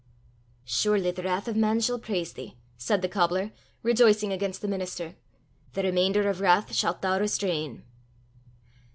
"'Surely the wrath of man shall praise thee!'" said the cobbler, rejoicing against the minister; "'the remainder of wrath shalt thou restrain.